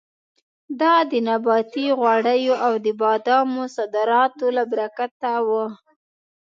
دا د نباتي غوړیو او د بادامو د صادراتو له برکته وه.